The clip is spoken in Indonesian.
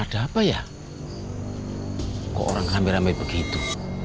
ada apa ya kok orang rame rame begitu